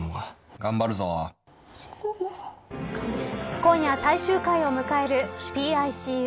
今夜、最終回を迎えるＰＩＣＵ